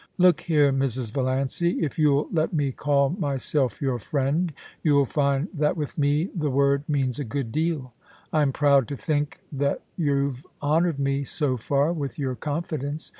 Look here, Mrs. Valiancy, if you'll let me call myself your friend, you'll find that with me the word means a good deal. I'm proud to think that you've honoured me so far with your confidence.